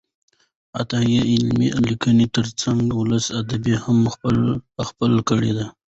عطايي د علمي لیکنو ترڅنګ ولسي ادبیات هم راخپل کړي دي.